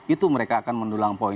itu mereka akan mendulang poin